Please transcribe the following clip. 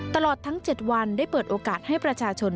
ตลอดทั้ง๗วันได้เปิดโอกาสให้ประชาชน